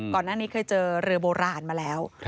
ก่อนหน้านี้เคยเจอเรือโบราณมาแล้ว